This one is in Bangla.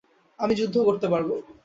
আমি যুদ্ধ করতে পারব।